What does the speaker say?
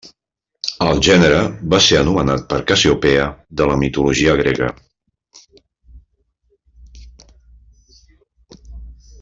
El gènere va ser anomenat per Cassiopea de la mitologia grega.